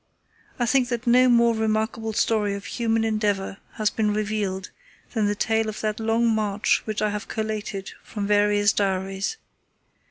I think that no more remarkable story of human endeavour has been revealed than the tale of that long march which I have collated from various diaries.